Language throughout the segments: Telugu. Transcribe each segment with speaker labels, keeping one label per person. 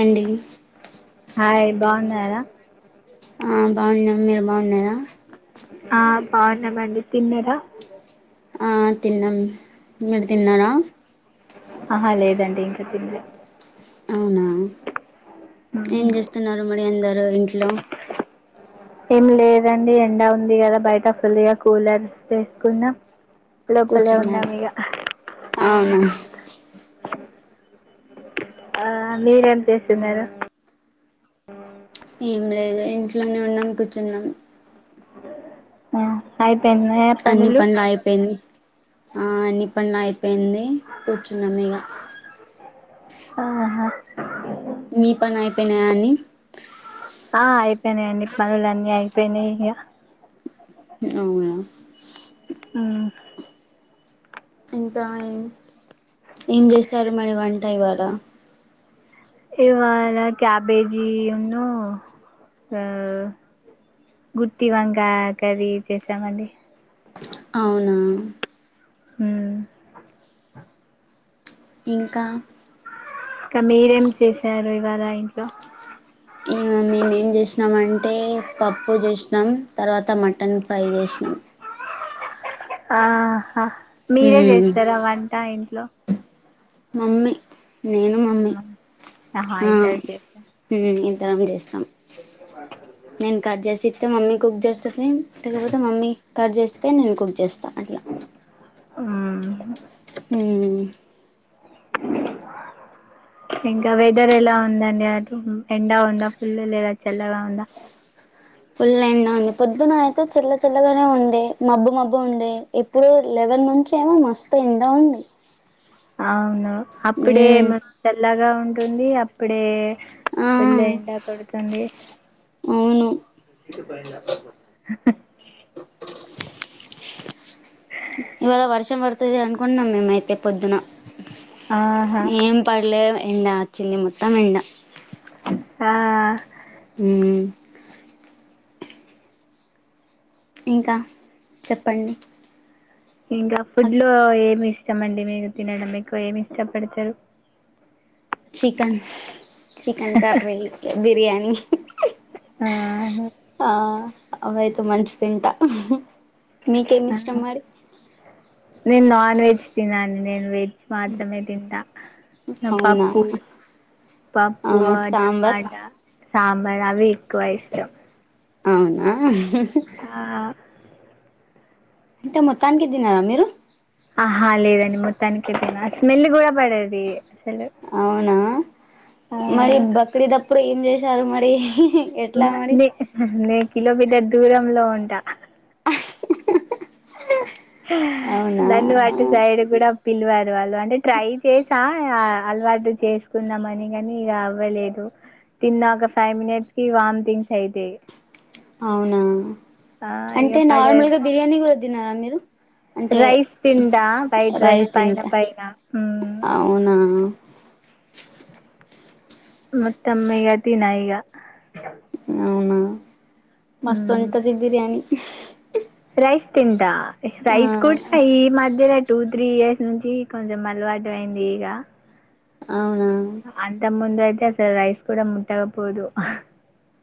Speaker 1: అండి
Speaker 2: హాయ్ బాగున్నార
Speaker 1: ఆ బాగున్న్నాం మీరు బాగున్నారా
Speaker 2: ఆ బాగున్నామండి తిన్న రా
Speaker 1: ఆ తిన్నాం మీరు తిన్నరా
Speaker 2: అహ లేదండి ఇంక తిన్లే
Speaker 1: అవున ఏం
Speaker 2: మ్మ్.
Speaker 1: చేస్తున్నారు మరి అందరు ఇంట్లో
Speaker 2: ఏం లేదండి ఎండ ఉంది కదా బయట ఫుల్గా కూలర్ వేసుకున్నాం లోపల
Speaker 1: కూర్చున్నారా
Speaker 2: ఉన్నాము ఇగ
Speaker 1: అవునా
Speaker 2: ఆ మీరేం చేస్తున్నారు
Speaker 1: ఏం లేదు ఇంట్లోనే ఉన్నాం కూర్చొనె ఉన్నాం
Speaker 2: ఆ అయిపోయినాయా
Speaker 1: అన్ని పనులు అయిపోయింది ఆ అన్ని పనుల అయిపోయింది కూర్చున్నాం ఇగ
Speaker 2: ఆహా
Speaker 1: మీ పని అయిపోయినా అండి
Speaker 2: అయిపోయినాయండి పనులు అన్నీ అయిపోయినాయి ఇక
Speaker 1: అవునా
Speaker 2: ఆ
Speaker 1: ఇంకా ఏం చేశారు మరి వంట ఇవాళ
Speaker 2: ఇవాళ క్యాబేజీనూ ఆ గుత్తు వంకాయ కర్రీ చేసామండి
Speaker 1: అవునా
Speaker 2: ఉమ్
Speaker 1: ఇంకా
Speaker 2: ఇకా మీరేం చేసారు ఇవాళ ఇంట్లో
Speaker 1: ఇ మే ఏం చేసినాం అంటే పప్పు చేసినాం తర్వాత మటన్ ఫ్రై చేసిన
Speaker 2: ఆహా మీరే
Speaker 1: హ్మ్
Speaker 2: చేస్తారా వంట ఇంట్లో
Speaker 1: మమ్మి
Speaker 2: హాయిదాది
Speaker 1: రం చేస్తాం నేను కట్ చేసి మమ్మీ కుక్ చేస్తంది లేకపోతే మమ్మీ కట్ చేస్తే నేను కుక్ చేస్తాను అట్లా
Speaker 2: ఉహు
Speaker 1: ఉమ్
Speaker 2: [inaudible] ఇంకా వెదర్ ఎలా ఉందండి అటు ఎండా ఉందా ఫుల్ లేదా చల్లగా ఉందా
Speaker 1: పొద్దున అయితే చిల్ల చిల్లగానే ఉంది మబ్బు మబ్బు ఉండే ఎప్పుడు లెవెన్ నుంచి ఏమో మస్తు ఎండా ఉంది అ
Speaker 2: అవును అప్పుడే మ చల్లగా ఉం ఉంటుంది అప్పుడే
Speaker 1: ఆ
Speaker 2: పఫుల్ ఎండా కొడుతోంది
Speaker 1: అవును
Speaker 2: [unintelligible]
Speaker 1: ఇవాళ వర్షం పడుతుంది అనుకుంటున్నాం మేమయితే పొద్దున
Speaker 2: ఆహా
Speaker 1: ఏం పడలే ఎండ వచ్చింది మొత్తం ఇడ
Speaker 2: ఆ,
Speaker 1: మ్ ఇంకా చెప్పండి
Speaker 2: ఇంకా ఫుడ్ లో ఏమి ఇష్టమండి మీకు తినడం మీరు ఎక్కువ ఏమి ఇష్టపడచారు
Speaker 1: చికన్ చికన్ కర్రీ బిర్యానీ
Speaker 2: ఆ
Speaker 1: ఆ అవి అయితే మంచి తింట మీకేమి ఇష్టం మరి
Speaker 2: నేను నాన్ వెజ్ తినా నేను వెజ్ మాత్రమే తింటా
Speaker 1: అవునా
Speaker 2: పప్పు పప్పు
Speaker 1: అవునా సాంబార్
Speaker 2: టమాటా ససాంబార్ అవే ఎక్కువ ఇష్టం
Speaker 1: అవునా
Speaker 2: ఆ
Speaker 1: అంటే మొత్తానికి తినారా మీరు
Speaker 2: ఆహా లేదండి మొత్తానికే తిన స్మెల్ కూడా పడేది
Speaker 1: అవునా
Speaker 2: ఆ,
Speaker 1: మరి బక్రీద్ ఎప్పుడు ఏం చేసారు మరి ఎట్లా
Speaker 2: న
Speaker 1: మరి
Speaker 2: నే నేను కిలోమీటర్ దూరంలో ఉంటా
Speaker 1: [inaudible] అవునా
Speaker 2: నన్ను అటు సైడు కూడా పిలవరు వాళ్ళు అంటే ట్రై చేసా అలవాటు చేసుకున్నాం అని కనీ ఇలా అవ్వలేదు తిన్నాక ఫైవ్ మినిట్స్ కి వాంతింగ్స్ అయితయ్
Speaker 1: అవునా
Speaker 2: ఇక
Speaker 1: అంటే
Speaker 2: పడే
Speaker 1: నార్మల్గా బిర్యానీ కూడా తినరా మీరు? అంటే
Speaker 2: రైస్ తింట వైట్ రైస్ పైన పైన ఉమ్
Speaker 1: అవునా
Speaker 2: మొత్తం ఇగ తిన ఇగ
Speaker 1: అవునా మస్తు
Speaker 2: మ్మ్.
Speaker 1: ఉంటది బిర్యానీ
Speaker 2: రైస్ తింటా
Speaker 1: ఆ
Speaker 2: రైస్ కూడా ఈ మధ్యనే టూ త్రీ ఇయర్స్ నుంచి కొంచెం అలవాటు అయింది ఇగ
Speaker 1: అవునా
Speaker 2: అంత ముంద అయితే అసలు రైస్ కూడా ముట్టగపోదు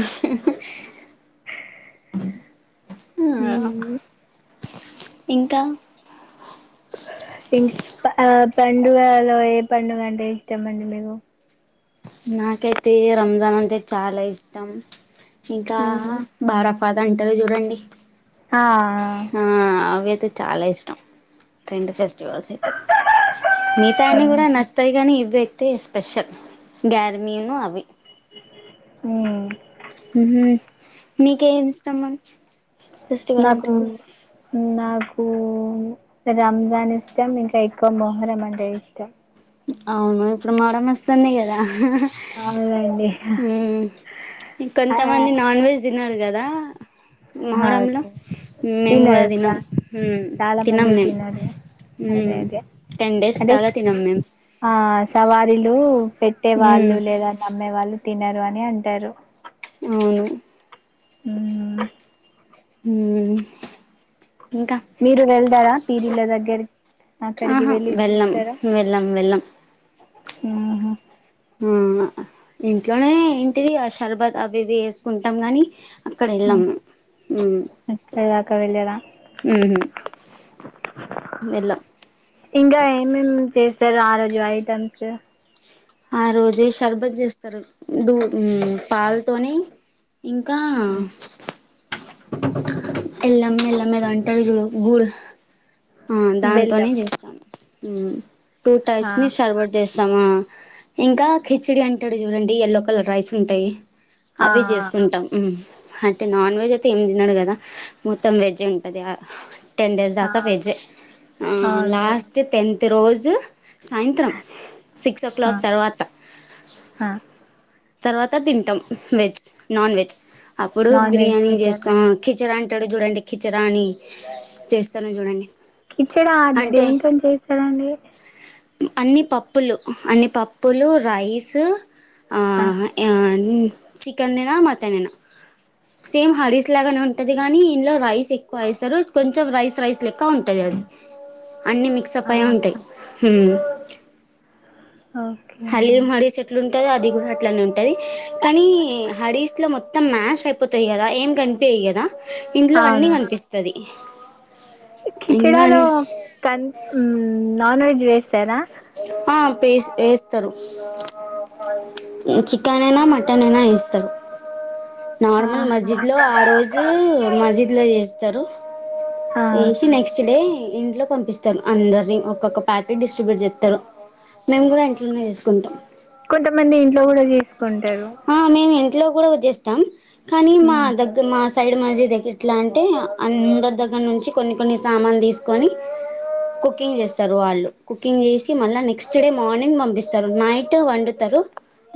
Speaker 1: ఆ
Speaker 2: మ్మ్.
Speaker 1: ఇంకా
Speaker 2: ఇం కా పండుగలో ఏ పండుగ అంటే ఇష్టమండి మీకు?
Speaker 1: నాకైతే రంజాన్ అంటే చాలా ఇష్టం, ఇంకా
Speaker 2: మ్మ్.
Speaker 1: భారత్ పద అంటరు చూడండి
Speaker 2: ఆ
Speaker 1: తే చాలా ఇష్టం, ట్రెండ్ ఫెస్ మిగతాయన్ని కూడా నచ్చుతయి కానీ ఇవే ఎక్కు తే స్పెషల్ గర్మీను అవి
Speaker 2: ఉమ్
Speaker 1: ఉహు మీకేమి ఇష్టము?
Speaker 2: నకు ఉమ్ నాకు కు రంజాన్ ఇష్టం, ఇంకా ఎక్కువ మొహరం అంటే ఇష్టం.
Speaker 1: అవును ఇప్పుడు మొహరం వస్తుంది కదా
Speaker 2: అవునండి
Speaker 1: ఉమ్
Speaker 2: ఆ,
Speaker 1: కొంతమంది నాన్ వెజ్ తినాల్ గదా
Speaker 2: ఆ,
Speaker 1: మొహరంల
Speaker 2: ఓకే.
Speaker 1: మేము కూడా
Speaker 2: తినరు
Speaker 1: తినం,
Speaker 2: చా-
Speaker 1: ఉమ్
Speaker 2: చాలా
Speaker 1: తినం
Speaker 2: మంది
Speaker 1: మేం
Speaker 2: తినరు అదే
Speaker 1: ఉమ్
Speaker 2: అదే
Speaker 1: టెన్ డేస్
Speaker 2: అంటే
Speaker 1: దాక తినం మేం
Speaker 2: ఆ సవారీలు పెట్టే
Speaker 1: మ్మ్
Speaker 2: వాళ్ళు లేదా నమ్మే వాళ్ళు తినరు అని అంటరు
Speaker 1: అవును
Speaker 2: ఉమ్
Speaker 1: ఉమ్
Speaker 2: మీరు వెళ్దారా పీరీల దగ్గరికి? అక్కడికి
Speaker 1: ఆహా
Speaker 2: వెళ్ళి
Speaker 1: వెళ్ళం
Speaker 2: చూస్తరా?
Speaker 1: వెళ్ళం వెళ్ళం
Speaker 2: ఆహ
Speaker 1: ఆ ఇంట్లోనే ఏంటిది ఆ షర్బత్ అవి ఇవి వేసుకుంటాం గాని అక్కడ
Speaker 2: ఆ,
Speaker 1: ఎళ్ళము, ఉమ్
Speaker 2: అక్కడ దాకా వెళ్ళరా
Speaker 1: ఉహు ఎల్లం
Speaker 2: ఇంగా ఏమేమి చేస్తరు ఆ రోజు ఐటమ్స్?
Speaker 1: ఆ రోజే షర్బత్ చేస్తరు, దూ పాలతోనీ ఇంకా
Speaker 2: ఉమ్.
Speaker 1: ఎల్లమే ఎల్లమే ఏదో అంటరు జూడు గూడు ఆ దాంతోనే
Speaker 2: బెల్లం
Speaker 1: చేస్తాము, ఉమ్ టూ
Speaker 2: ఆ,
Speaker 1: టైప్స్ ని షర్వట్ చేస్తామా ఇంకా కిచిడి అంటడు చూడండి ఎయల్లో కలర్ రైస్ ఉంటయి
Speaker 2: ఆ,
Speaker 1: అవి చేసుకుంటాం, ఉమ్ అంటే నాన్ వెజ్ అయితే ఏమి తిన్నాడు కదా మొత్తం వెజ్ ఉంటది టెన్ డేస్
Speaker 2: ఆ,
Speaker 1: దాకా వెజ్ జె
Speaker 2: అవును
Speaker 1: లాస్ట్
Speaker 2: వెజ్
Speaker 1: టెన్త్ రోజు సాయంత్రం సిక్స్ ఓ
Speaker 2: ఆ,
Speaker 1: క్లాక్ తర్వాత
Speaker 2: ఆ,
Speaker 1: తర్వాత తింటాం వెజ్ నాన్ వెజ్ అప్పుడు
Speaker 2: నాన్ వెజ్
Speaker 1: బిర్యానీ
Speaker 2: తింటారా
Speaker 1: చేసుకో కిచరాంట అట్టడు చూడండి కిచరాని చేస్తాను చూడండి
Speaker 2: ఇచ్చడా అది
Speaker 1: అంటే
Speaker 2: దేంతోని చేస్తాడండి
Speaker 1: అన్ని పప్పులు అన్ని పప్పులు రైస్
Speaker 2: ఆ,
Speaker 1: చికెన్ అయిన మటన్ అయిన సేమ్ హరీస్ లాగానే ఉంటది గానీ ఇలో రైస్ ఎక్కువ వేస్తారు కొంచెం రైస్ రైస్ లెక్క ఉంటది అన్ని మిక్సప్
Speaker 2: ఆ,
Speaker 1: అయి ఉంటాయి
Speaker 2: ఆ, ఓకే
Speaker 1: హలీమ్ హరీస్ ఎట్లుంది ఉంటది అది అట్లానే ఉంటది కానీ హరీస్ లో మొత్తం మ్యాష్ అయిపోతది కదా ఏం కనిపి కదా ఇందుట్లో అన్ని
Speaker 2: అవునా
Speaker 1: కనిపిస్తది ఇంకా
Speaker 2: కిచడాలో కన్ నాన్ వెజ్ వేస్తారా
Speaker 1: ఆ పేస్ట్ వేస్తరు చికెన్ అయినా
Speaker 2: ఆహా.
Speaker 1: మటన్ అయిన ఏస్తరు నార్మల్ మస్జిద్ లో
Speaker 2: ఆహా.
Speaker 1: ఆ రోజు మజిద్ లో చేస్తారు
Speaker 2: ఆ
Speaker 1: వేసి నెక్స్ట్ డే ఇంట్లో పంపిస్తాారు అందరిని ఒక్కొక్క ప్యాకెట్ డిస్ట్రిబ్యూట్ చెత్తరు మేము కూడ ఇంట్లోనే చేసుకుంటాం
Speaker 2: కొంతమంది ఇంట్లో కూడ చేసుకుంటారు
Speaker 1: ఇట్లో కూడ చేస్తాం కానీ మా
Speaker 2: ఉమ్.
Speaker 1: దగ్గర మా సైడ్ మాజీద్ దగ్గర ఎట్ల అంటే అందరి దగ్గర నుంచి కొన్ని కొన్ని సామాను తీసుకొని కుకింగ్ చేస్తారు వాళ్ళు కుకింగ్ చేసి మళ్ళ నెక్స్ట్ డే మార్నింగ్ పంపిస్తారు నైట్ వండుతరు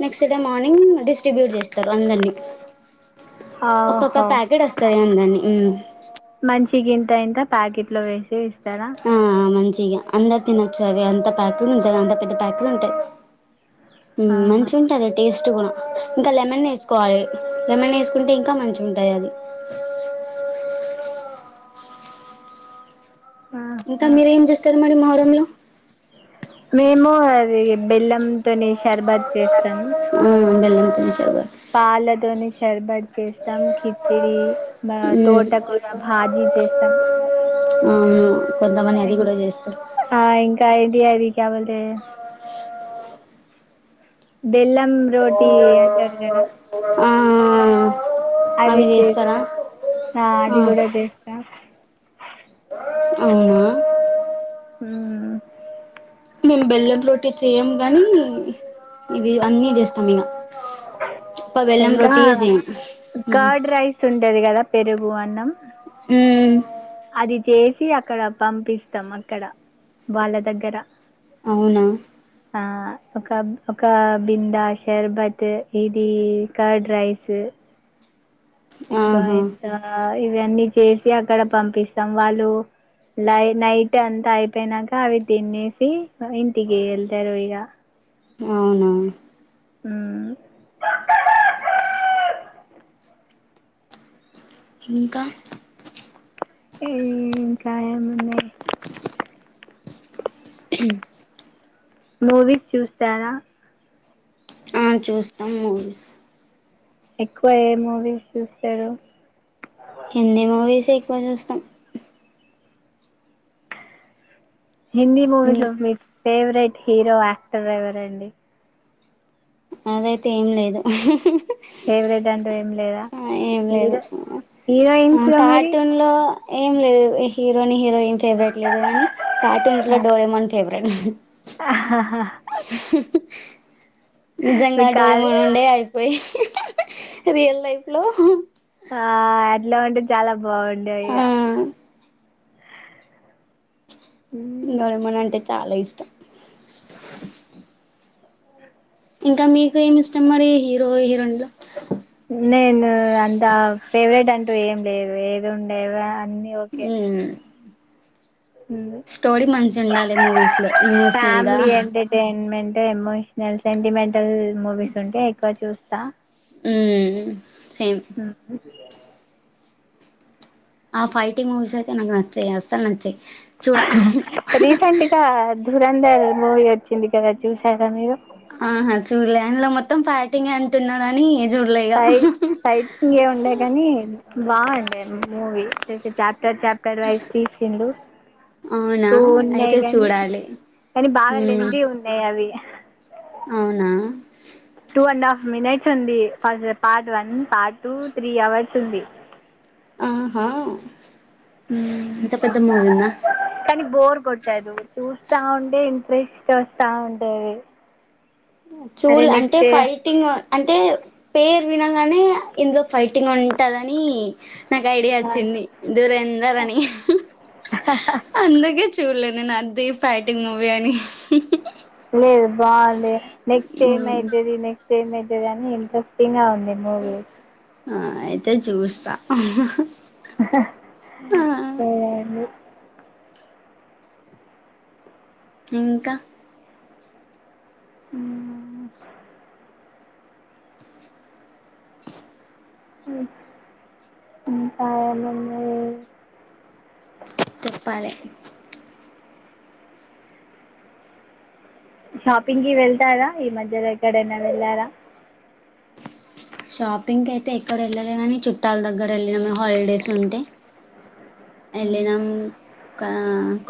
Speaker 1: నెక్స్ట్ డే మార్నింగ్ డిస్ట్రిబ్యూట్ చేస్తారు అందరిని ఒక్కొక్క
Speaker 2: ఆహో
Speaker 1: ప్యాకెట్ వస్తది అ దాన్ని
Speaker 2: ప్యాకిట్లో వేసి ఇస్తరా
Speaker 1: మంచిగా అందరు తినొచ్చు అవి అంత ప్యాకెట్లు ఉంటాయి అంత పెద్ద ప్యాకెట్లు ఉంటాయి
Speaker 2: ఆహా
Speaker 1: మంచిగ ఉంటది టేస్ట్ ఇంకా లెమన్ వేసుకోవాలె లెమన్ వేసుకుంటే ఇంకా మంచిగా ఉంటుంది అది ఇంకా
Speaker 2: ఆహా
Speaker 1: మీరేం చేస్తారు మరి మొహరంలో
Speaker 2: మేము అది బెల్లంతోని షర్బతు చేస్తాము
Speaker 1: బెళ్ళం తోని
Speaker 2: పాలతోని షర్బత్ చేస్తం కిచడిీ చేస్తాం
Speaker 1: అవున
Speaker 2: ఆ ఇంకా ఐడి ఐడి క్యా బోల్తె బెల్లం రోటీ అంటారు కదా
Speaker 1: ఆ
Speaker 2: అది
Speaker 1: అవి చేస్తారా
Speaker 2: చేస్తాం ఆ అది కూడ చేస్తాం
Speaker 1: అవున
Speaker 2: ఉమ్
Speaker 1: మేము బెల్లం రోటీ చేయము గానీ ఇవి అన్నీ చేస్తాం ఇక బెల్లం
Speaker 2: ఇంకా
Speaker 1: రొటీయే చేయం
Speaker 2: కర్డ్ రైస్ ఉంటది కదా పెరుగు అన్నం
Speaker 1: ఉమ్
Speaker 2: అది చేసి అక్కడ పంపిస్తాం అక్కడ వాళ్ళ దగ్గర
Speaker 1: అవునా
Speaker 2: ఒక ఒక బింద, షర్బత్, ఇది కర్డ్ రైస్ ఇంకా
Speaker 1: ఆహా
Speaker 2: ఇంత ఇవన్నీ చేసి అక్కడ పంపిస్తాం వాళ్ళు లై నైట్ అంతా అయిపోయినాక అవి తినేసి ఇంటికి వెళ్తారు ఇక
Speaker 1: అవునా
Speaker 2: మ్
Speaker 1: ఇంకా
Speaker 2: ఇంకా ఏమున్నాయ్?
Speaker 1: [inaudible] [inaudible]
Speaker 2: మూవీస్ చూస్తారా?
Speaker 1: ఆ చూస్తాం మూవీస్.
Speaker 2: ఎక్కువ ఏ మూవీస్ చూసారు.
Speaker 1: ఎక్కువే చుస్తాం.
Speaker 2: హిందీ మూవీస్ లో మీ ఫేవరెట్ హీరో యాక్టర్ ఎవరండి?
Speaker 1: అదైతే ఏం లేదు. హ్ హి హూ
Speaker 2: ఫేవరెట్ అంటూ ఏం లేదా
Speaker 1: ఆ ఏం లేదు.
Speaker 2: హీరో హీరోయిన్స్లో మరి
Speaker 1: కార్టూన్లో ఏం లేదు హీరోనీ, హీరోయిన్ ఫేవరెట్ లేదు కానీ కార్టూన్స్ లో డోరెమోన్ ఫేవరెట్.
Speaker 2: ఆహా! హా
Speaker 1: నిజంగా
Speaker 2: మీకు కాదు
Speaker 1: డోర్మాన్ ఉండే అయిపోయి రియల్ లైఫ్ లో
Speaker 2: ఆ అట్లా ఉంటే చాలా బాగుండేవి
Speaker 1: ఆ
Speaker 2: ఇగ.
Speaker 1: ఇంక
Speaker 2: మ్మ్.
Speaker 1: డోరెమాన్ అంటే చాలా ఇష్టం. ఇంకా మీకు ఏమి ఇష్టం మరి హీరో, హీరోయిన్లు.
Speaker 2: నేను అంత ఫేవరెట్ అంటూ ఏం లేదు ఏది ఉండేవే అన్నీ. ఓకే
Speaker 1: స్టోరీ మంచి ఉండాలి మూవీస్ లో ఎమోషనల్ గా
Speaker 2: family entertainment emotional, sentimental movies ఉంటే ఎక్కువ చూస్తా.
Speaker 1: మ్ సేమ్ ఆ ఫైటింగ్ మూవీస్ అయితే నాకు నచ్చవు అస్సలు నచ్చవు.
Speaker 2: రీసెంట్గా ధురంధర్ మూవీ వచ్చింది కదా చూసారా మీరు?
Speaker 1: ఆహా చూడలే అందులో మొత్తం ఫైటింగే అంటున్నారు అని
Speaker 2: ఫై ఫైట్ సీనే ఏ ఉండే కానీ బాగుండే మూవీ చాప్టర్ వైస్ తీసిండు
Speaker 1: అవునా
Speaker 2: టూ ఉన్నాయి
Speaker 1: అయితే
Speaker 2: గాని
Speaker 1: చూడాలి
Speaker 2: కానీ బాగా
Speaker 1: మ్మ్
Speaker 2: లెంతీ ఉన్నాయి అవి
Speaker 1: అవునా
Speaker 2: టూ అండ్ హాఫ్ మినిట్స్ ఉంది first part one, part two, three hours ఉంది.
Speaker 1: ఆహా ఎంత పెద్ద మూవీ ఉందా?
Speaker 2: కానీ బోర్ కొట్టదు. చూస్తా ఉంటే ఇంట్రెస్ట్ వస్తా ఉంటది.
Speaker 1: చూళ్ళా అంటే ఫైటింగ్ అంటే పేరు వినగానే ఏందో ఫైటింగ్ ఉంటాదని నాకు ఐడియా వచ్చింది. దురంధర్ అందుకే చూడలే నేను. అది ఫైటింగ్ మూవీ అని,
Speaker 2: లేదు బాగుంది నెక్స్ట్ఏమయ్యితాది, నెక్స్ట్ఏమయ్యితాది అని ఇంట్రెస్టింగ్ గా ఉంది. మూరు
Speaker 1: ఆ అయితే చూస్తా
Speaker 2: ఆహా
Speaker 1: ఆ
Speaker 2: లేదు
Speaker 1: ఇంకా
Speaker 2: ఉం ఇంక ఏమున్నాయి
Speaker 1: చెప్పాలె
Speaker 2: షాపింగ్ కి వెళ్తారా ఈ మధ్యలో ఎక్కడైనా వెళ్ళారా
Speaker 1: షాపింగ్ అయితే ఎక్కడ వెళ్ళలే కానీ చుట్టాల దగ్గర వెళ్ళినం హాలిడేస్ ఉంటే వెళ్ళినాము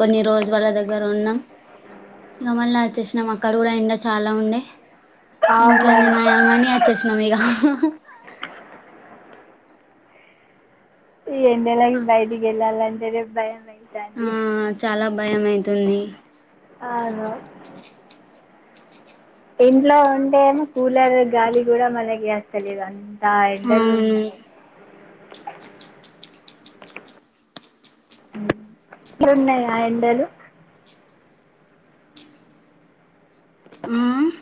Speaker 1: కొన్ని రోజు వాళ్ళ దగ్గర ఉన్నాం ఇంగ మల్లి వచ్చేసినం అక్కడ కుడా ఎండ చాలా ఉండే
Speaker 2: అవును
Speaker 1: ఇంట్లోనే నాయమని వచ్చేసినం ఇగా
Speaker 2: ఈ ఎండలకి బయటికివెళ్ళాలంటేనే భయం అయితు
Speaker 1: ఆ చాలా భయం అయితుంది
Speaker 2: అవును ఇంట్లో ఉంటే ఏమో కూలర్ గాలి కూడా మనకీ వస్తలేదు బా
Speaker 1: అవును
Speaker 2: ఎండాలునై ఇడున్నాయా ఎండలు
Speaker 1: ఆ